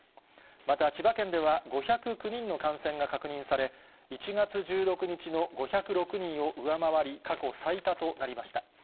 また、千葉県では５０９人の感染が確認され、１月１６日の５０６人を上回り、過去最多となりました。